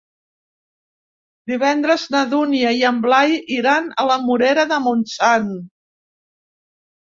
Divendres na Dúnia i en Blai iran a la Morera de Montsant.